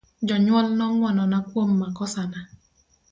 Jonyuol no ngwonona kuom makosana.